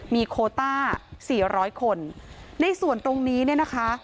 มีโคต้าสี่ร้อยคนในส่วนตรงนี้เนี่ยนะคะ